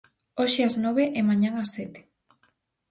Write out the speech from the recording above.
Hoxe ás nove e mañá ás sete.